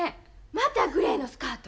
またグレーのスカート？